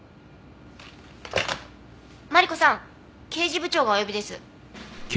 マリコさん刑事部長がお呼びです。